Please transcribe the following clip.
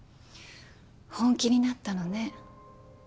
本気になったのね